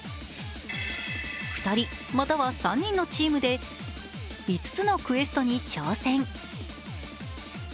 ２人、または３人のチームで５つのクエストに挑戦。